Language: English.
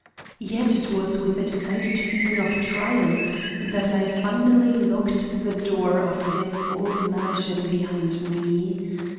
Yet it was with a decided feeling of triumph that I finally locked the door of this old mansion behind me.